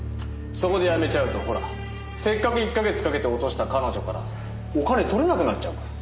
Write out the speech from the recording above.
そこでやめちゃうとほらせっかく１か月かけて落とした彼女からお金取れなくなっちゃうから。